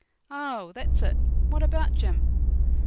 'Oh, that's it. What about Jim?'